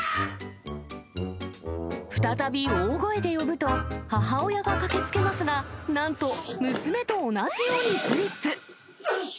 再び大声で呼ぶと、母親が駆けつけますが、なんと、娘と同じようにスリップ。